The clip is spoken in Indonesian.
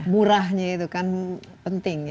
murahnya itu kan penting